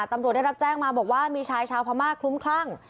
ตำรวจได้รับแจ้งมาบอกว่ามีชายชาวพม่าคลุ้มคลั่ง